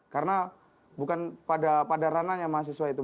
karena bukan pada rananya mahasiswa itu